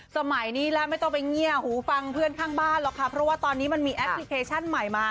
สมัยนี้แล้วไม่ต้องไปเงียบหูฟังเพื่อนข้างบ้านหรอกค่ะเพราะว่าตอนนี้มันมีแอปพลิเคชันใหม่มา